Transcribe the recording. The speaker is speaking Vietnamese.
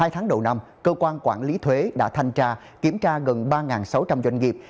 hai tháng đầu năm cơ quan quản lý thuế đã thanh tra kiểm tra gần ba sáu trăm linh doanh nghiệp